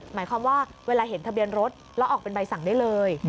หมายความว่าเวลาเห็นทะเบียนรถแล้วออกเป็นใบสั่งได้เลย